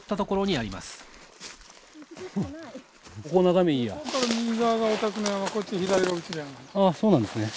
あっそうなんですね。